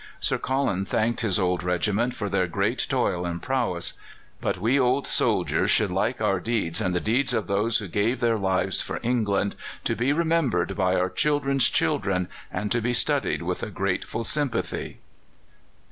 Sir Colin thanked his old regiment for their great toil and prowess. "But we old soldiers should like our deeds and the deeds of those who gave their lives for England to be remembered by our children's children, and to be studied with a grateful sympathy."